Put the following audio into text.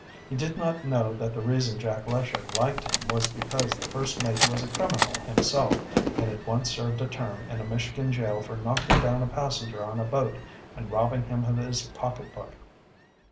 He did not know that the reason Jack Lesher liked him was because the first mate was a criminal himself and had once served a term in a Michigan jail for knocking down a passenger on a boat and robbing him of his pocketbook.